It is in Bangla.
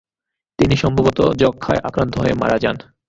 তিনি সম্ভবত যক্ষায় আক্রান্ত হয়ে মারা যান।